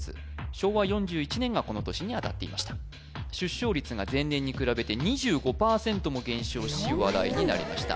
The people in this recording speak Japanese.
昭和４１年がこの年に当たっていました出生率が前年に比べて２５％も減少し話題になりました